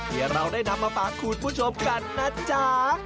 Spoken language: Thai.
ที่เราได้นำมาฝากคุณผู้ชมกันนะจ๊ะ